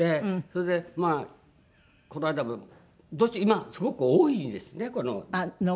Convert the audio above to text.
それでまあこの間も今すごく多いですねこの。